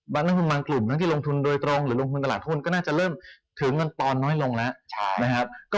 บางกลุ่มที่ลงทุนโดยตรงหรือลงทุนตลาดทุนก็น่าจะเริ่มถือเงินตอนน้อยลงแล้ว